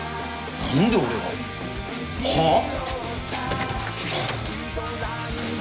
なんで俺が。はあ？